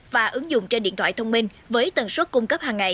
và ứng dụng trên điện thoại thông minh với tần suất cung cấp hàng ngày